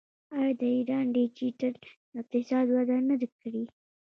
آیا د ایران ډیجیټل اقتصاد وده نه ده کړې؟